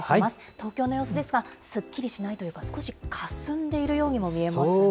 東京の様子ですが、すっきりしないというか、少しかすんでいるようにも見えますね。